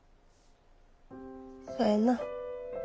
そやな。